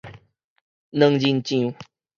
卵仁醬